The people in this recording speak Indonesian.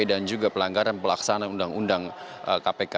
dan juga pelanggaran pelaksanaan undang undang kpk